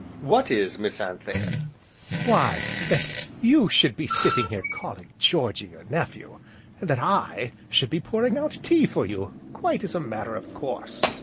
"What is, Miss Anthea?" "Why that you should be sitting here calling Georgy your nephew, and that I should be pouring out tea for you, quite as a matter of course."